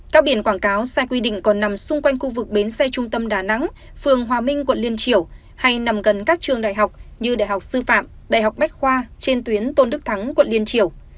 các biển quảng cáo sai quy định còn nằm xung quanh khu vực bến xe trung tâm đà nẵng phường hòa minh quận liên triểu hay nằm gần các trường đại học như đại học sư phạm đại học bách khoa trên tuyến tôn đức thắng quận liên triều